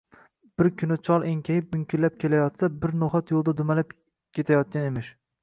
Bir kuni chol enkayib, munkillab kelayotsa, bir no’xat yo’lda dumalab ketayotgan emish.